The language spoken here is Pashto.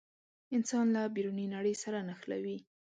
انسان له بیروني نړۍ سره نښلوي.